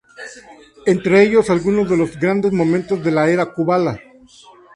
Entre ellos alguno de los grandes momentos de la era Kubala.